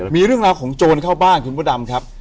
มีเรื่องราวของโจรเข้าบ้านคุณพระดำครับ